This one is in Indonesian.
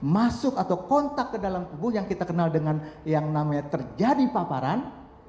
masuk atau kontak ke dalam tubuh yang kita kenal dengan yang namanya terjadi paparan